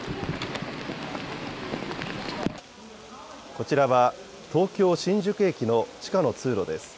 こちらは東京新宿駅の地下の通路です。